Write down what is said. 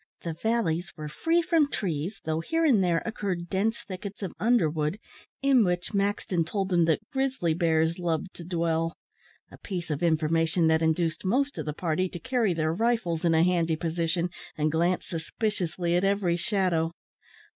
The valleys were free from trees, though here and there occurred dense thickets of underwood, in which Maxton told them that grizzly bears loved to dwell a piece of information that induced most of the party to carry their rifles in a handy position, and glance suspiciously at every shadow.